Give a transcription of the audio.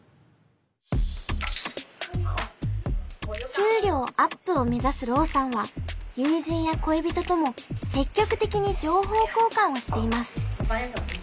給料アップを目指す朗さんは友人や恋人とも積極的に情報交換をしています。